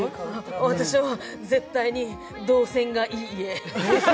私は絶対に動線がいい家。